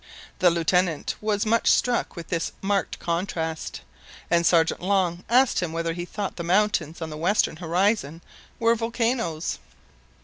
The Lieutenant was much struck with this marked contrast, and Sergeant Long asked him whether he thought the mountains on the western horizon were volcanoes.